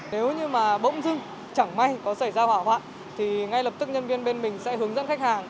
nếu như mà bỗng dưng chẳng may có xảy ra hỏa hoạn thì ngay lập tức nhân viên bên mình sẽ hướng dẫn khách hàng